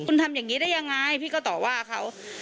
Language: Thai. คุณทำอย่างนี้ได้ยังไงพี่ก็ต่อว่าเขา